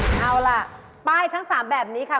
เอาล่ะป้ายทั้ง๓แบบนี้ค่ะ